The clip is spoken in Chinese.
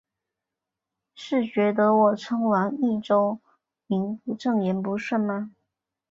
是觉得我称王益州名不正言不顺吗？